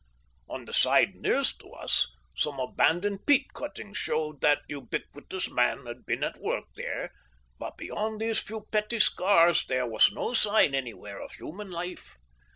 On the side nearest to us some abandoned peat cuttings showed that ubiquitous man had been at work there, but beyond these few petty scars there was no sign anywhere of human life.